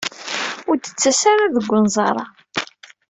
Ur d-ttas ara deg unẓar-a.